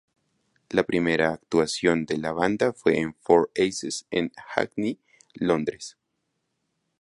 La primera actuación de la banda fue en el Four Aces en Hackney, Londres.